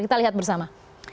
kita lihat bersama